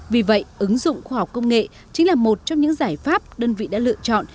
vì vậy ứng dụng khoa học công nghệ chính là một trong những giải pháp đơn vị đã lựa chọn